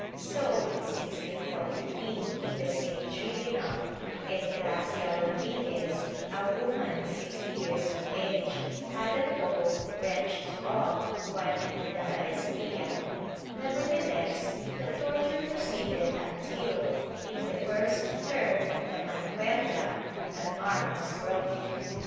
So, in 1643, in the same tribunal, Engracia Rodriguez, a woman sixty years of age, had a toe wrenched off while in the halestilla. Nevertheless the torture proceeded until, in the first turn of the mancuerda, an arm was broken.